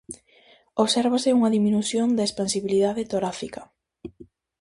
Observábase unha diminución da expansibilidade torácica.